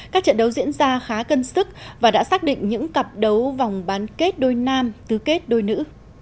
các trận đấu diễn ra khá cân sức và đã xác định những cặp đấu vòng bán kết đôi nam tứ kết đôi nữ